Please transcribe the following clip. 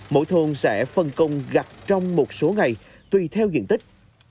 mỗi thôn sẽ phân công gặt trong một số ngày tùy theo diện tích